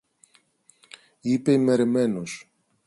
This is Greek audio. είπε ημερεμένος.